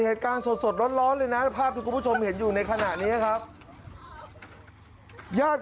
เหตุการณ์สดร้อนเลยนะภาพที่คุณผู้ชมเห็นอยู่ในขณะนี้ครับญาติ